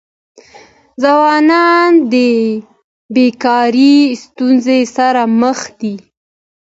ځوانان د بيکاری ستونزې سره مخ دي.